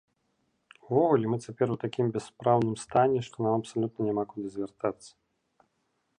Увогуле мы цяпер у такім бяспраўным стане, што нам абсалютна няма куды звяртацца.